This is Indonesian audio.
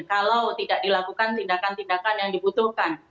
kalau tidak dilakukan tindakan tindakan yang dibutuhkan